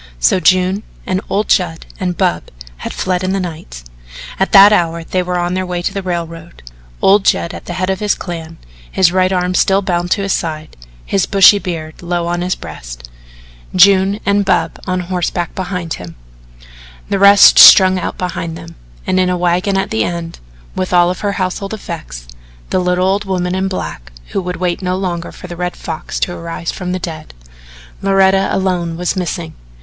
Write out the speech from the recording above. So June and old Judd and Bub had fled in the night. At that hour they were on their way to the railroad old Judd at the head of his clan his right arm still bound to his side, his bushy beard low on his breast, June and Bub on horseback behind him, the rest strung out behind them, and in a wagon at the end, with all her household effects, the little old woman in black who would wait no longer for the Red Fox to arise from the dead. Loretta alone was missing.